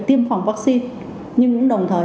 tiêm phòng vaccine nhưng cũng đồng thời